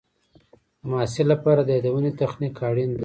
د محصل لپاره د یادونې تخنیک اړین دی.